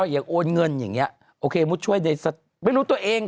อยากโอนเงินอย่างนี้โอเคมุดช่วยในสัตว์ไม่รู้ตัวเอง